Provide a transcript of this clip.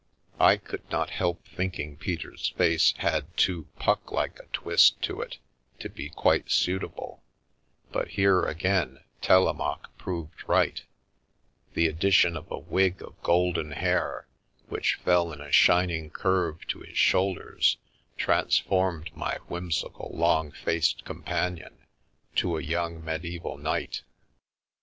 I could not help thinking Peter's face had too Puck like a twist to it to be quite suitable, but here, again, Telemaque proved right — the addition of a wig of golden hair, which fell in a shining curve to his shoulders, transformed my whimsical, long faced companion to a young medieval knight.